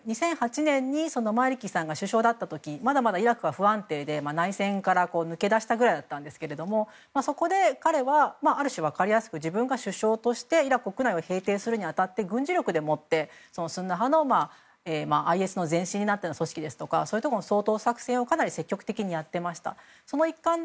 ２００８年にマリキさんが首相だった時まだイラクが不安定で内戦から抜け出したぐらいだったんですがそこで彼はある種、分かりやすく自分が首相としてイラク国内を平定するにあたって軍事力でもってスンニ派のＩＳの前身になったような組織ですとかそういうところの掃討作戦をかなり積極的にやっていました。